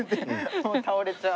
もう倒れちゃう。